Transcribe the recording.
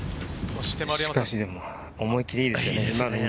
思いきりいいですね。